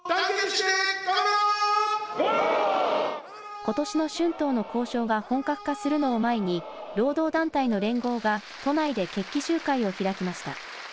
ことしの春闘の交渉が本格化するのを前に、労働団体の連合が都内で決起集会を開きました。